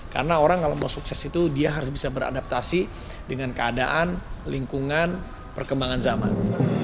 karena orang kalau mau sukses itu dia harus bisa beradaptasi dengan keadaan lingkungan perkembangan zaman